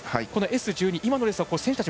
Ｓ１２、今のレースは選手たち